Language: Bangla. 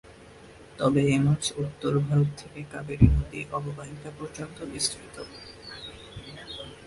তবে এ মাছ উত্তর ভারত থেকে কাবেরী নদী অববাহিকা পর্যন্ত বিস্তৃত।